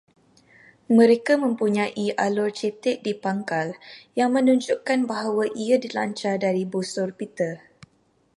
Mereka mempunyai alur cetek di pangkal, yang menunjukkan bahawa ia dilancar dari busur pita